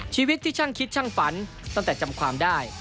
ชีวิตที่ช่างคิดช่างฝันตั้งแต่จำความได้